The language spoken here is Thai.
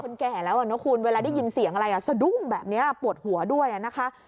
แก่แล้วนะคุณเวลาได้ยินเสียงอะไรสะดุ้งแบบนี้ปวดหัวด้วยนะคะ